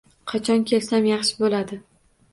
Qachon kelsam yaxshi bo'ladi?